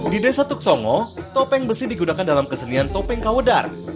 di desa tuk songo topeng besi digunakan dalam kesenian topeng kawedar